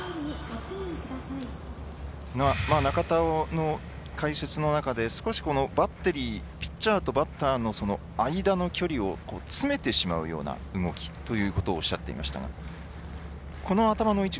中田、解説の中でピッチャーとバッターの間の距離を詰めてしまうようなそういう動きということをおっしゃっていました。